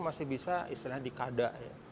masih bisa istilahnya dikada